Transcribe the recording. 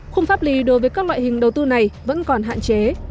khung pháp lý đối với các loại hình đầu tư này vẫn còn hạn chế